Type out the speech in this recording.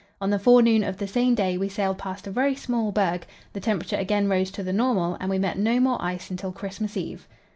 On the forenoon of the same day we sailed past a very small berg; the temperature again rose to the normal, and we met no more ice until Christmas Eve.